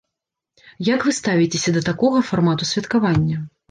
Як вы ставіцеся да такога фармату святкавання?